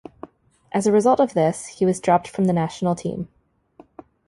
As a result of this, he was dropped from the national team.